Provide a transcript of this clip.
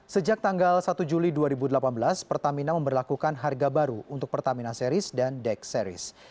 sejak tanggal satu juli dua ribu delapan belas pertamina memperlakukan harga baru untuk pertamina series dan deck series